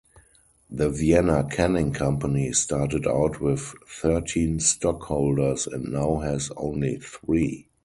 The Vienna Canning Company started out with thirteen stockholders and now has only three.